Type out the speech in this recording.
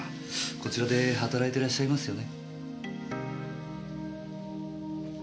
こちらで働いてらっしゃいますよね？